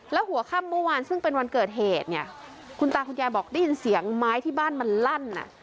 แล้วหัวค่ำเมื่อวานซึ่งเป็นวันเกิดเหตุเนี่ยคุณตาคุณยายบอกได้ยินเสียงไม้ที่บ้านมันลั่น